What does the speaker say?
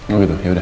oh gitu ya udah